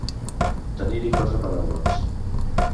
Tenir-hi quatre paraules.